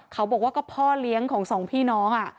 เขาบอกว่าก็พ่อเลี้ยงของสองพี่น้อง